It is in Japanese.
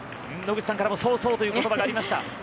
野口さんからもそうそうという言葉がありました。